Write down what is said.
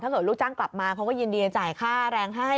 เกิดลูกจ้างกลับมาเขาก็ยินดีจะจ่ายค่าแรงให้